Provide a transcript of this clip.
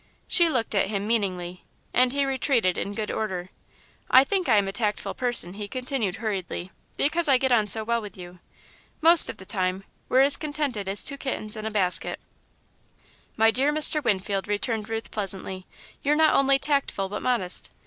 She looked at him, meaningly, and he retreated in good order. "I think I'm a tactful person," he continued, hurriedly, "because I get on so well with you. Most of the time, we're as contented as two kittens in a basket." "My dear Mr. Winfield," returned Ruth, pleasantly, "you're not only tactful, but modest.